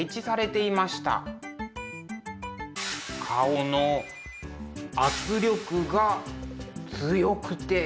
顔の圧力が強くて。